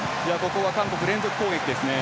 ここは韓国、連続攻撃ですね。